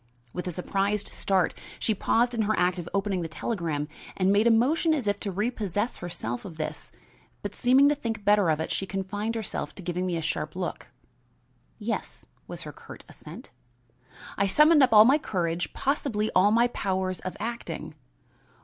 With a surprised start, she paused in her act of opening the telegram and made a motion as if to repossess herself of this, but seeming to think better of it she confined herself to giving me a sharp look. "Yes," was her curt assent. I summoned up all my courage, possibly all my powers of acting.